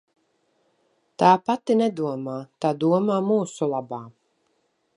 Tā pati nedomā, tā domā mūsu labā.